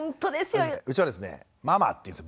うちはですね「ママ」って言うんです